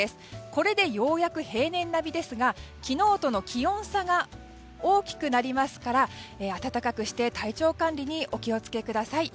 これでようやく平年並みですが昨日との気温差が大きくなりますから暖かくして体調管理にお気を付けください。